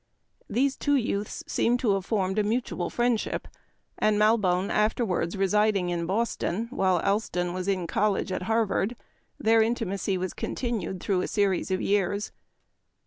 These two youths seemed to have formed a mutual friendship ; and Malbone after 36 Memoir of Washington Irving. ward residing in Boston while Allston was in college at Harvard, their intimacy was con tinued through a series o( years.